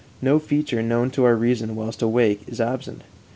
No feature known to our reason whilst awake is absent.